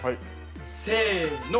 せの。